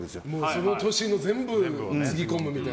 その年の全部つぎ込むみたいな。